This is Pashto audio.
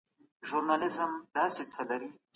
پيغمبر عليه السلام د حق ملاتړی و.